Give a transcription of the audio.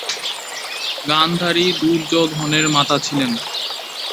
গান্ধারী দুর্যোধনের মাতা ছিলেন।